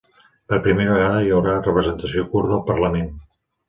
Per primera vegada hi haurà representació kurda al parlament